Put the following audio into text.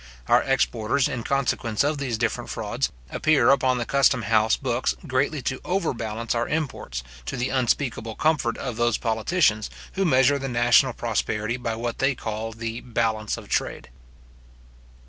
Our exports, in consequence of these different frauds, appear upon the custom house books greatly to overbalance our imports, to the unspeakable comfort of those politicians, who measure the national prosperity by what they call the balance of trade.